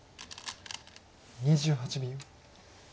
２８秒。